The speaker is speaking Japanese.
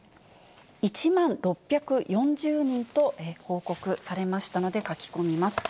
１万６４０人と報告されましたので、書き込みます。